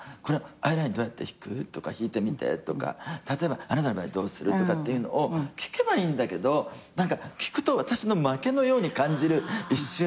アイラインどうやって引く？とか引いてみてとか例えばあなたの場合どうする？とかっていうのを聞けばいいんだけど聞くと私の負けのように感じる一瞬。